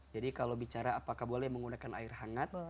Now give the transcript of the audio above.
jadi kalau bicara apakah boleh menggunakan air hangat